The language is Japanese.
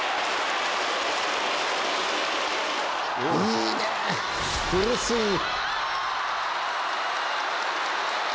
いいねフルスイング。